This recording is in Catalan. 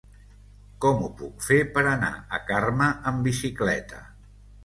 Com ho puc fer per anar a Carme amb bicicleta?